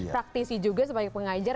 praktisi juga sebagai pengajar